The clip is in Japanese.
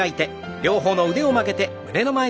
両方の腕を曲げて胸の前に。